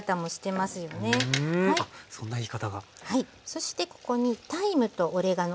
そしてここにタイムとオレガノ。